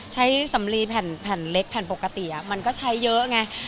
สำลีแผ่นเล็กแผ่นปกติมันก็ใช้เยอะไง